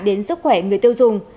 đến sức khỏe người tiêu dùng